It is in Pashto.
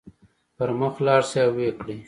پر مخ لاړ شئ او ويې کړئ.